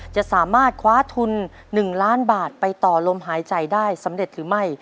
จะสามารถคว้าทุน๑ล้านบาทไปต่อลมหายใจได้สำเร็จหรือไม่